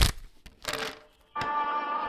په قدم قدم یادونو ته جرس شول